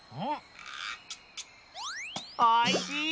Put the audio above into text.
おいしい！